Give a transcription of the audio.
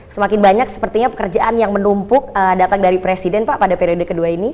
semakin banyak sepertinya pekerjaan yang menumpuk datang dari presiden pak pada periode kedua ini